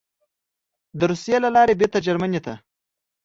د روسیې له لارې بېرته جرمني ته: